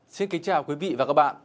xin kính chào quý vị và các bạn